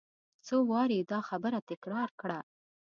څو وارې یې دا خبره تکرار کړه.